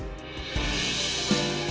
saya mau pergi ke rumah